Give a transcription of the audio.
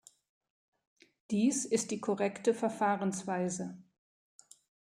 Dies ist die korrekte Verfahrensweise.